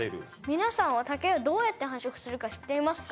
みなさんは竹がどうやって繁殖するか知っていますか？